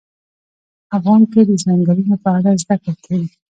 افغانستان کې د ځنګلونه په اړه زده کړه کېږي.